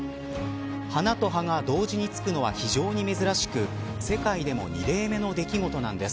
花と葉が同時につくのは非常に珍しく世界でも２例目の出来事なんです。